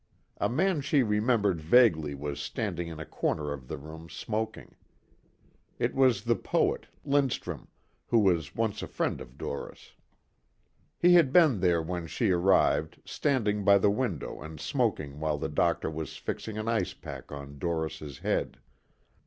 A man she remembered vaguely was standing in a corner of the room smoking. It was the poet, Lindstrum, who was once a friend of Doris. He had been there when she arrived, standing by the window and smoking while the doctor was fixing an ice pack on Doris' head.